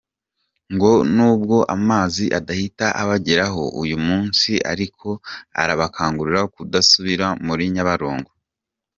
Ngo nubwo amazi adahita abageraho uyu munsi ariko arabakangurira kudasubira muri Nyabarongo.